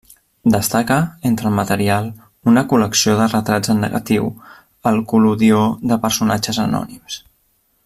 Destaca, entre el material, una col·lecció de retrats en negatiu al col·lodió de personatges anònims.